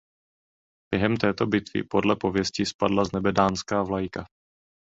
Během této bitvy podle pověsti spadla z nebe dánská vlajka.